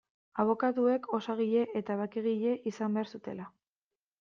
Abokatuek osagile eta bakegile izan behar zutela.